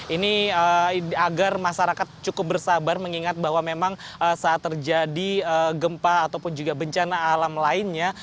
ini agar masyarakat cukup bersabar mengingat bahwa memang saat terjadi gempa ataupun juga bencana alam lainnya